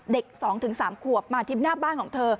๒๓ขวบมาทิ้มหน้าบ้านของเธอ